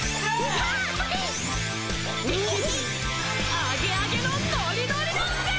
アゲアゲのノリノリだぜぃ！！